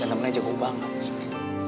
dan temennya jago banget